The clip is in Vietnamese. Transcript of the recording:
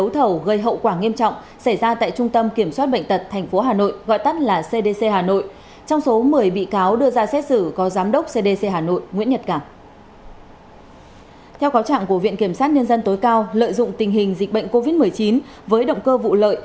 theo cáo trạng của viện kiểm sát nhân dân tối cao lợi dụng tình hình dịch bệnh covid một mươi chín với động cơ vụ lợi